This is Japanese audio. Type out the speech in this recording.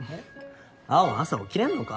青朝起きれんのか？